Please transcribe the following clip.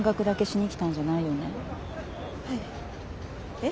えっ？